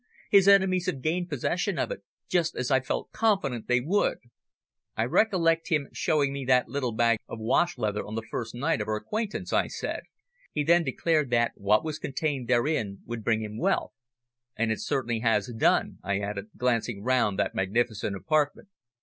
His enemies have gained possession of it, just as I felt confident they would." "I recollect him showing me that little bag of wash leather on the first night of our acquaintance," I said. "He then declared that what was contained therein would bring him wealth and it certainly has done," I added, glancing round that magnificent apartment.